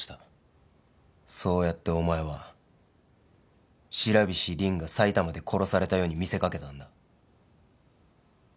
そうやってお前は白菱凜が埼玉で殺されたように見せかけたんだ。